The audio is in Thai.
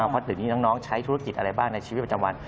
ควรถิกที่น้องใช้ธุรกิจอะไรบ้างในชีวิตประจำวัน